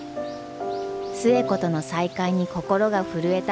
寿恵子との再会に心が震えた万太郎。